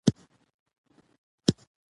زه غواړم له فشار پرته ارامه ژوند وکړم.